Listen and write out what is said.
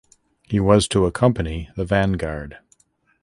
He was to accompany the vanguard.